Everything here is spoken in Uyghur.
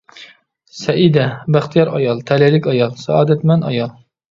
سەئىدە : بەختىيار ئايال، تەلەيلىك ئايال، سائادەتمەن ئايال.